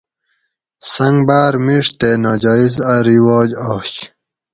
سنگ باۤر میڛ تے ناجایٔز اۤ رواج آش